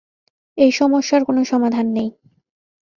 এই সমস্যার কোনো সমাধান নেই।